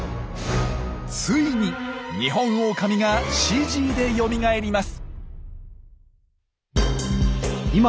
ついにニホンオオカミがＣＧでよみがえります。